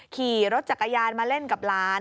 ขี่รถจักรยานมาเล่นกับหลาน